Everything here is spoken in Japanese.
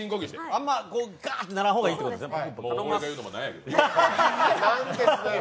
あんまガーってならん方がいいってことですね。